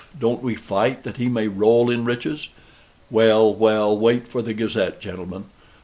Don't we fight that he may roll in riches? Well, well, wait for the Gazette, gentlemen.